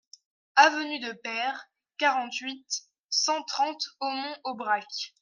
Avenue de Peyre, quarante-huit, cent trente Aumont-Aubrac